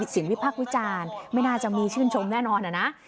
วิพักษ์วิจารณ์ไม่น่าจะมีชื่นชมแน่นอนนะ